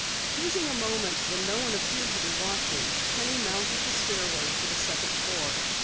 Choosing a moment when no one appeared to be watching, Penny mounted the stairway to the second floor.